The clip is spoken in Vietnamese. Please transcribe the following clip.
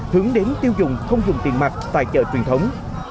hướng đến tiêu dùng không dùng tiền mặt tại chợ truyền thống